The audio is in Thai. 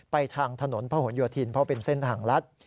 ทางถนนพระหลโยธินเพราะเป็นเส้นทางลัด